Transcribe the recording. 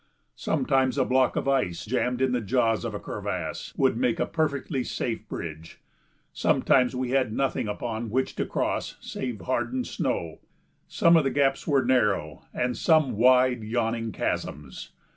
Sometimes a block of ice jammed in the jaws of a crevasse would make a perfectly safe bridge; sometimes we had nothing upon which to cross save hardened snow. Some of the gaps were narrow and some wide, yawning chasms.